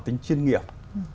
tính chuyên nghiệp